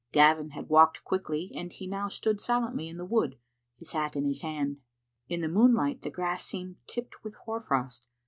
Gavin had walked quickly, and he now stood silently in the wood, his hat in his hand. In the moonlight the grass seemed tipped with hoar frost.